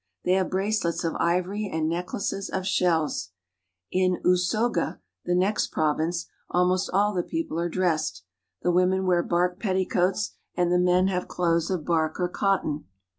They have bracelets of ivory and neck laces of shells In Usoga (ooso'ga) the next province, almost all the people are dressed the women wear bark petticoats and the men have clothes of bark or cotton.